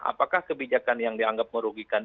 apakah kebijakan yang dianggap merugikan